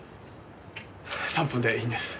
３分でいいんです。